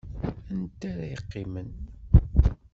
Anta ara yeqqimen?